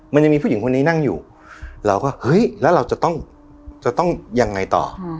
มันยังมีผู้หญิงคนนี้นั่งอยู่เราก็เฮ้ยแล้วเราจะต้องจะต้องยังไงต่อ